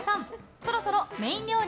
そろそろメイン料理